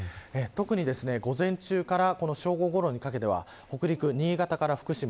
特に午前中から正午ごろにかけては北陸、新潟から福島